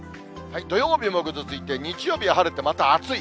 土曜日もぐずついて、日曜日は晴れて、また暑い。